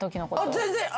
全然。